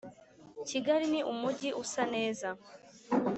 kigali ni umujyi usaneza